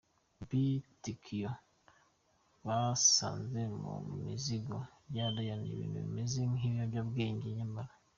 bi Tokyo basanze mu mizigo ya Iryn ibintu bimeze nkibiyobyabwenge nyamara.